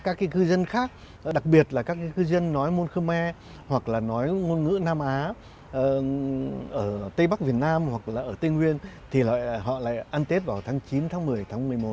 các cư dân khác đặc biệt là các cư dân nói môn khơ me hoặc là nói ngôn ngữ nam á ở tây bắc việt nam hoặc là ở tây nguyên thì họ lại ăn tết vào tháng chín tháng một mươi tháng một mươi một